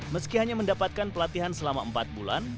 meski hanya mendapatkan pelatihan selama empat bulan